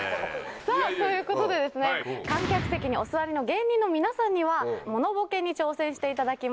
さぁということで観客席にお座りの芸人の皆さんにはモノボケに挑戦していただきます。